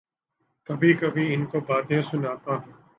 کبھی کبھی ان کی باتیں سنتا ہوں۔